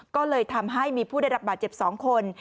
ก็เลยทำให้มีผู้ได้รับบาดเจ็บ๒คน